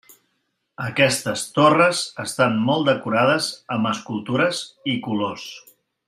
Aquestes torres estan molt decorades amb escultures i colors.